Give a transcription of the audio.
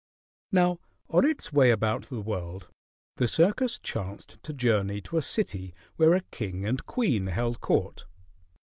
Now on its way about the world, the circus chanced to journey to a city where a king and queen held court.